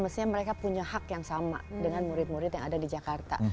mestinya mereka punya hak yang sama dengan murid murid yang ada di jakarta